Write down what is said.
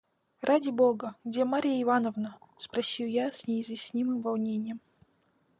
– Ради бога! где Марья Ивановна? – спросил я с неизъяснимым волнением.